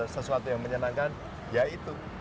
sesuatu yang menyenangkan ya itu